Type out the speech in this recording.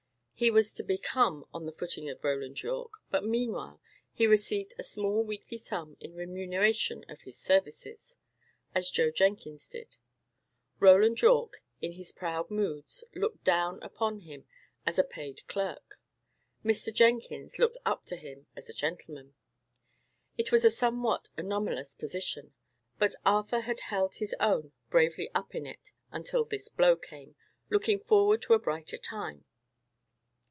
He was to become on the footing of Roland Yorke; but meanwhile, he received a small weekly sum in remuneration of his services, as Joe Jenkins did. Roland Yorke, in his proud moods, looked down upon him as a paid clerk; Mr. Jenkins looked up to him as a gentleman. It was a somewhat anomalous position; but Arthur had held his own bravely up in it until this blow came, looking forward to a brighter time.